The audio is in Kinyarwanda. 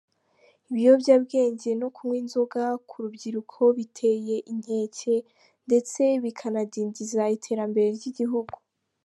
Ibiyobyabwenge no kunywa inzoga ku rubyiruko biteye inkeke ndetse bikanadindiza iterambere ry’igihugu.